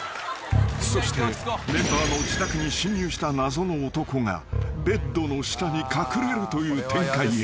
［そしてメンバーの自宅に侵入した謎の男がベッドの下に隠れるという展開へ］